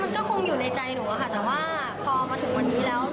มันก็คงอยู่ในใจหนูอะค่ะแต่ว่าพอมาถึงวันนี้แล้ว